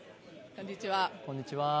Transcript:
こんにちは。